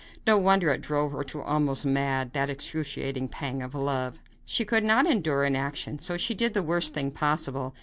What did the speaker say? No wonder it drove her almost mad that excruciating pang of love. She could not endure inaction, so she did the worst thing possible.